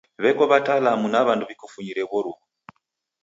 W'eko watalamu na w'andu w'ikufunyire w'oruw'u.